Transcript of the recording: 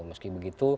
bentuk kekecewaan itu